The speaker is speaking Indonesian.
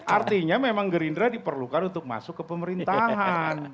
artinya memang gerindra diperlukan untuk masuk ke pemerintahan